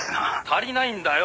「足りないんだよ！